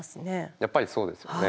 やっぱりそうですよね。